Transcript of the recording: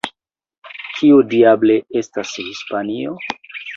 Kio diable estas Hispanio?